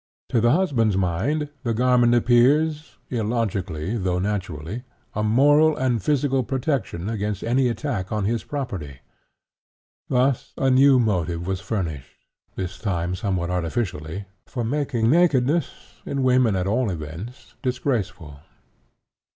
To the husband's mind, the garment appears illogically, though naturally a moral and physical protection against any attack on his property. Thus a new motive was furnished, this time somewhat artificially, for making nakedness, in women at all events, disgraceful.